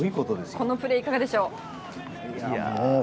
このプレーはいかがでしょう？